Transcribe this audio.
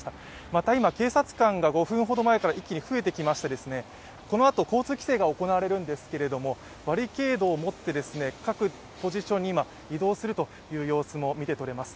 また、今、警察官が５分ほど前から一気に増えてきましてこのあと交通規制が行われるんですけれども、バリケードを持って、各ポジションに移動するのが見てとれます。